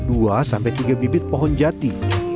dua sampai tiga bibit pohon jati